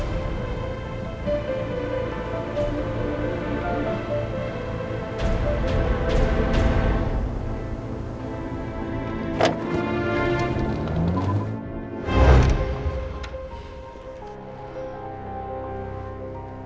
balik aja ya